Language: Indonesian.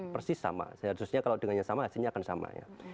persis sama seharusnya kalau dengannya sama hasilnya akan sama